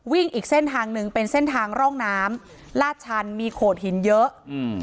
อีกเส้นทางหนึ่งเป็นเส้นทางร่องน้ำลาดชันมีโขดหินเยอะอืม